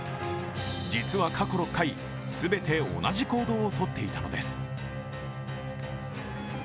実は過去６回、全て同じ行動をとっていたのです。